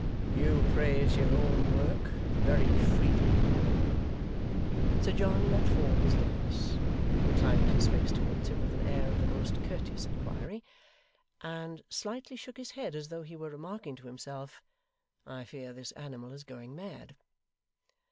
'You praise your own work very freely.' Sir John let fall his glass; inclined his face towards him with an air of the most courteous inquiry; and slightly shook his head as though he were remarking to himself, 'I fear this animal is going mad!